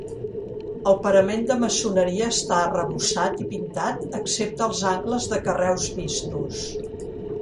El parament de maçoneria està arrebossat i pintat excepte els angles de carreus vistos.